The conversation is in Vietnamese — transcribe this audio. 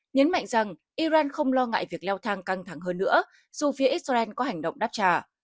nhấn mạnh rằng iran không lo ngại việc leo thang căng thẳng hơn nữa dù phía israel có hành động đáp trả